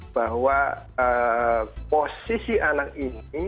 bahwa posisi anak ini